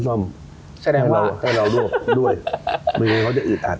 แสดงว่าถ้าเราโลกด้วยเหมือนกันเขาจะอึดอัด